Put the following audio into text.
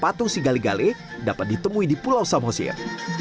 patung si gale gale dapat ditemui di pulau samosir